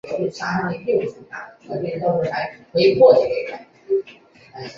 他获得过一次托尼奖。